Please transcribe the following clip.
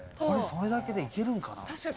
それだけでいけるんかなって。